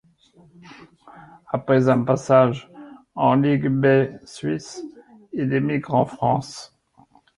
Après en passage en Ligue B suisse, il émigre en France.